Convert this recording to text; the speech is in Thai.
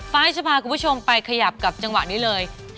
ไฟล์จะพาคุณผู้ชมไปขยับกับจังหวะนี้เลย